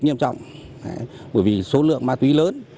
nghiêm trọng bởi vì số lượng ma túy lớn